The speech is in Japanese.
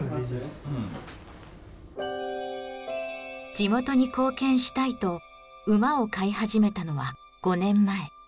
地元に貢献したいと馬を飼い始めたのは５年前。